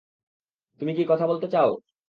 তুমি কী কথা বলতে চাও?